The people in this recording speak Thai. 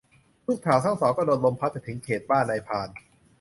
ลูกสาวทั้งสองก็โดนลมพัดไปถึงเขตบ้านนายพราน